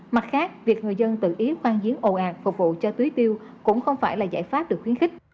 mặt khác việc người dân tự ý khoan giếng ồ ạt phục vụ cho tưới tiêu cũng không phải là giải pháp được khuyến khích